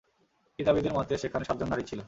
কিতাবীদের মতে, সেখানে সাতজন নারী ছিল।